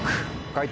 解答